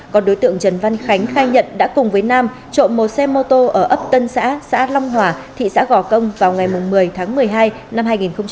còn đối tượng trần văn khánh khai nhận đã cùng với nam trộm một xe mô tô ở ấp tân xã xã long hòa thị xã gò công vào ngày một mươi tháng một mươi hai năm hai nghìn hai mươi ba